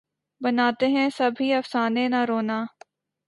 بناتے ہیں سب ہی افسانے نہ رونا